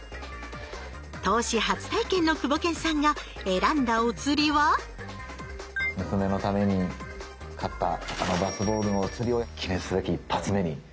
投資初体験のクボケンさんが選んだおつりは娘のために買ったあのバスボールのおつりを記念すべき１発目に！